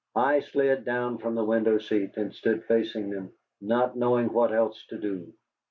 I slid down from the window seat, and stood facing them, not knowing what else to do.